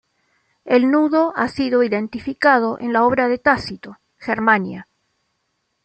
El nudo ha sido identificado en la obra de Tácito, Germania.